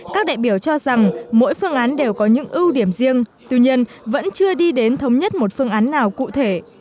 các đại biểu cho rằng mỗi phương án đều có những ưu điểm riêng tuy nhiên vẫn chưa đi đến thống nhất một phương án nào cụ thể